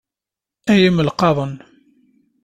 Ay imelqaḍen.